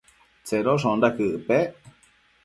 Tsedoshonda quëc pec?